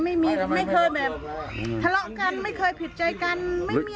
ไม่เคยแบบทะเลาะกันไม่เคยผิดใจกัน